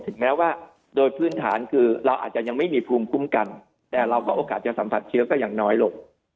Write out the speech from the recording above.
แม้ว่าโดยพื้นฐานคือเราอาจจะยังไม่มีภูมิคุ้มกันแต่เราก็โอกาสจะสัมผัสเชื้อก็ยังน้อยลง